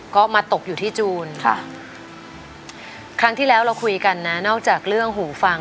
ก็มาตกอยู่ที่จูนค่ะครั้งที่แล้วเราคุยกันนะนอกจากเรื่องหูฟัง